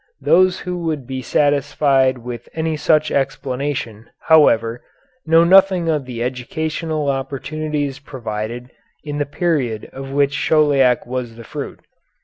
Those who would be satisfied with any such explanation, however, know nothing of the educational opportunities provided in the period of which Chauliac was the fruit.